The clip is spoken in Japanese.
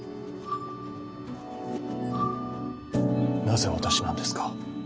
なぜ私なんですか？